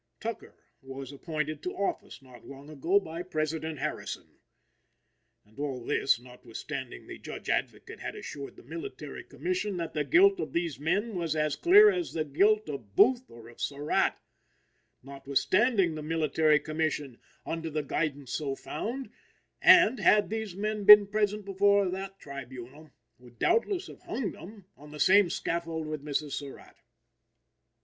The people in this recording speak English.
Tucker was appointed to office not long ago by President Harrison. And all this, notwithstanding the Judge Advocate had assured the Military Commission that the guilt of these men was as clear as the guilt of Booth or of Surratt, notwithstanding the Military Commission under his guidance so found, and, had these men been present before that tribunal, would doubtless have hung them on the same scaffold with Mrs. Surratt.